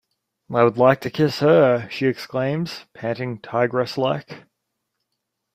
"I would like to kiss her!" she exclaims, panting tigress-like.